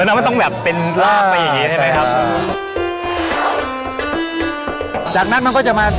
อ่ามันต้องแบบเป็นราบตัวอย่างงี้ใช่ไหมครับอ่าจากนั้นมันก็จะมา